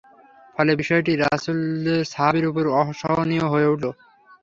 ফলে বিষয়টি রাসূলের সাহাবীর উপর অসহনীয় হয়ে উঠল।